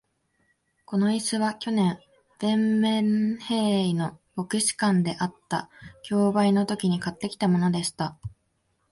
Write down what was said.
この椅子は、去年、ヴェンメンヘーイの牧師館であった競売のときに買ってきたものでした。